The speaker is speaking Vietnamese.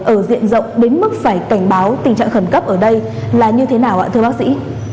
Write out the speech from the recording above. ở diện rộng đến mức phải cảnh báo tình trạng khẩn cấp ở đây là như thế nào ạ thưa bác sĩ